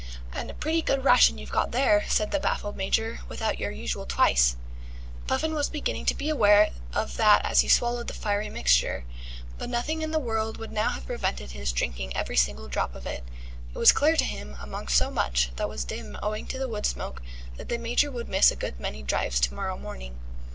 "And a pretty good ration you've got there," said the baffled Major. "Without your usual twice." Puffin was beginning to be aware of that as he swallowed the fiery mixture, but nothing in the world would now have prevented his drinking every single drop of it. It was clear to him, among so much that was dim owing to the wood smoke, that the Major would miss a good many drives to morrow morning.